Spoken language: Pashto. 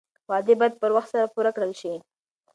وعدې باید په وخت سره پوره کړل شي.